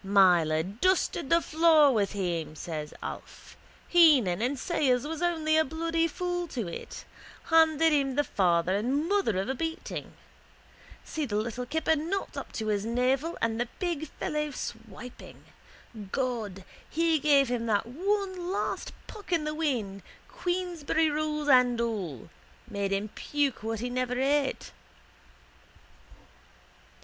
—Myler dusted the floor with him, says Alf. Heenan and Sayers was only a bloody fool to it. Handed him the father and mother of a beating. See the little kipper not up to his navel and the big fellow swiping. God, he gave him one last puck in the wind, Queensberry rules and all, made him puke what he never ate.